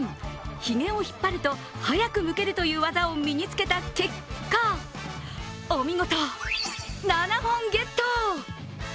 ひげを引っ張ると早くむけるという技を身につけた結果、お見事、７本ゲット！